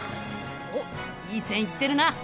おっいい線いってるな！